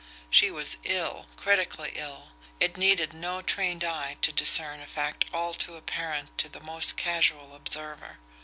She was ill, critically ill; it needed no trained eye to discern a fact all too apparent to the most casual observer.